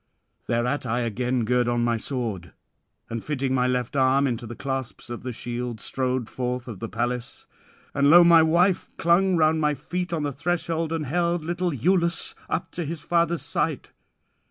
'Thereat I again gird on my sword, and fitting my left arm into the clasps of the shield, strode forth of the palace. And lo! my wife clung round my feet on the threshold, and held little Iülus up to his father's sight.